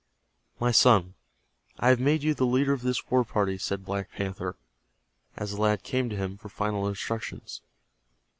"My son, I have made you the leader of this war party," said Black Panther, as the lad came to him for final instructions.